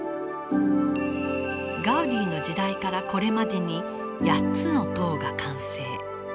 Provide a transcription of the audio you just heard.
ガウディの時代からこれまでに８つの塔が完成。